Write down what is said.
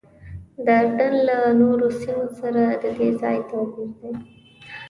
د اردن له نورو سیمو سره ددې ځای توپیر دی.